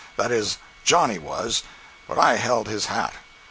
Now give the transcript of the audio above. That is, Johnny was—but I held his hat.